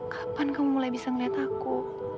kapan kamu mulai bisa melihat aku